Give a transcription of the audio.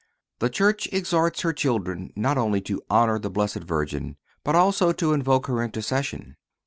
The Church exhorts her children not only to honor the Blessed Virgin, but also to invoke her intercession.